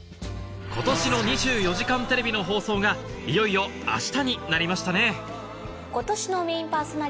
今年の『２４時間テレビ』の放送がいよいよ明日になりましたね